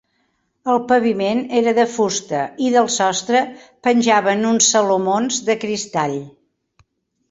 El paviment era de fusta i del sostre penjaven uns salomons de cristall.